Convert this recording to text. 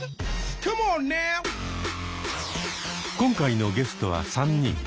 今回のゲストは３人。